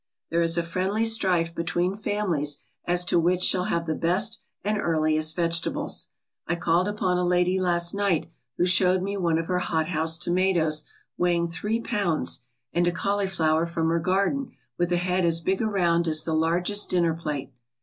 There is a friendly strife between families as to which shall have the best and earliest vegetables. I called upon a lady last night who showed me one of her hothouse toma toes weighing three pounds, and a cauliflower from her gar den with a head as big around as the largest dinner plate.